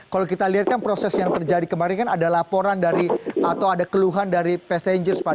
kalau kita lihat kan proses yang terjadi kemarin kan ada laporan dari atau ada keluhan dari passengers pak